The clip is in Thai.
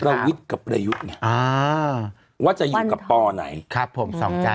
ประวิทย์กับประยุทธ์ไงว่าจะอยู่กับปไหนครับผม